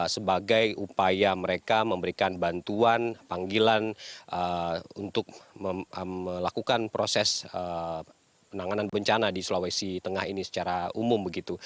sebagai upaya mereka memberikan bantuan panggilan untuk melakukan proses penanganan bencana di sulawesi tengah ini secara umum begitu